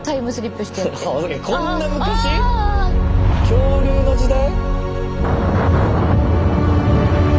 恐竜の時代？